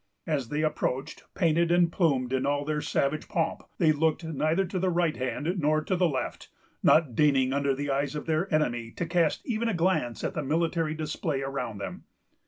As they approached, painted and plumed in all their savage pomp, they looked neither to the right hand nor to the left, not deigning, under the eyes of their enemy, to cast even a glance at the military display around them.